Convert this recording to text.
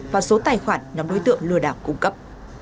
vào số tài khoản nhóm đối tượng lừa đảo cung cấp